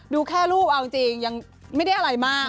ดูแค่รูปเอาจริงยังไม่ได้อะไรมาก